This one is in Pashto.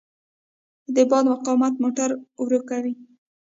د باد مقاومت موټر ورو کوي.